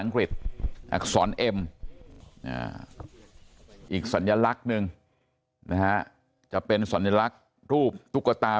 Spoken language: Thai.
อักษรเอ็มอีกสัญลักษณ์หนึ่งนะฮะจะเป็นสัญลักษณ์รูปตุ๊กตา